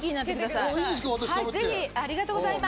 私、ぜひ、ありがとうございます。